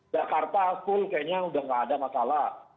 jakarta full kayaknya udah gak ada masalah